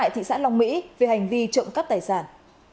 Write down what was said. thị xã long mỹ về hành vi trộm cắp tài sản